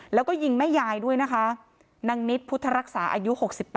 แล้วก็ยิงแม่ยายด้วยนะคะนางนิดพุทธรักษาอายุ๖๘